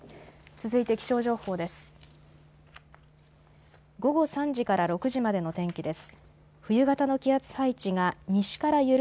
続いて気象情報です。